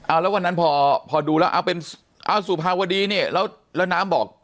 เอาแล้ววันนั้นพอดูแล้วเอาเป็นเอาสุภาวดีเนี่ยแล้วน้ำบอก